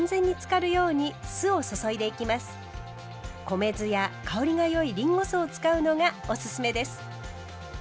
米酢や香りがよいりんご酢を使うのがおすすめです。